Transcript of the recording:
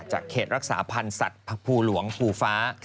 เขตรักษาพันธ์สัตว์ภูหลวงภูฟ้า